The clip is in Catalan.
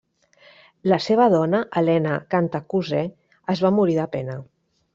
La seva dona Helena Cantacuzè es va morir de pena.